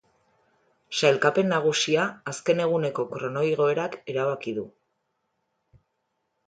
Sailkapen nagusia azken eguneko kronoigoerak erabaki du.